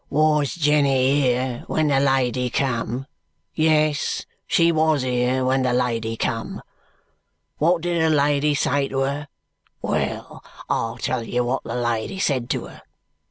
"Wos Jenny here when the lady come? Yes, she wos here when the lady come. Wot did the lady say to her? Well, I'll tell you wot the lady said to her.